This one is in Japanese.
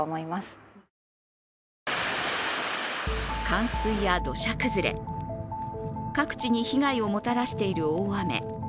冠水や土砂崩れ各地に被害をもたらしている大雨。